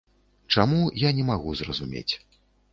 Чаму, я не магу зразумець.